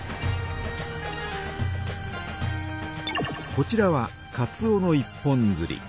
こちらはかつおの一本づり。